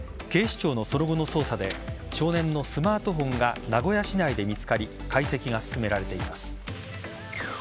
警視庁のその後の捜査で少年のスマートフォンが名古屋市内で見つかり解析が進められています。